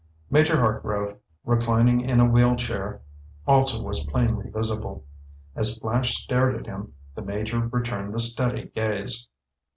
Major Hartgrove, reclining in a wheel chair, also was plainly visible. As Flash stared at him, the Major returned the steady gaze.